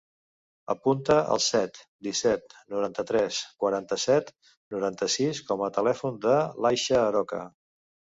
Apunta el set, disset, noranta-tres, quaranta-set, noranta-sis com a telèfon de l'Aisha Aroca.